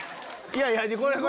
いやいや。